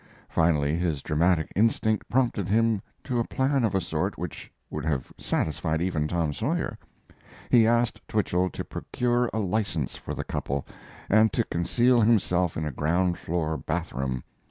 Finally his dramatic instinct prompted him to a plan of a sort which would have satisfied even Tom Sawyer. He asked Twichell to procure a license for the couple, and to conceal himself in a ground floor bath room.